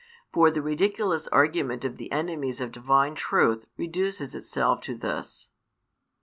For the ridiculous argument of the enemies of divine truth reduces itself to this.